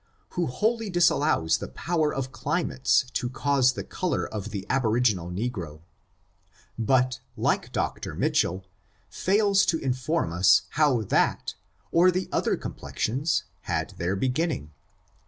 267, who wholly disallows the power of climates to cause the color of the aboriginal ne gro ; but, like Dr. Mitchell, fails to inform us how that, or the other complexions, had their beginning.